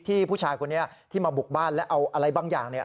ผู้ชายคนนี้ที่มาบุกบ้านและเอาอะไรบางอย่างเนี่ย